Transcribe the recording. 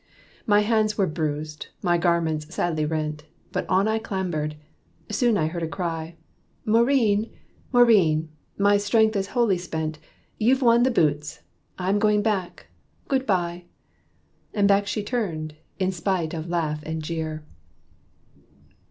My hands were bruised; my garments sadly rent, But on I clambered. Soon I heard a cry, "Maurine! Maurine! my strength is wholly spent! You've won the boots! I'm going back good bye!" And back she turned, in spite of laugh and jeer.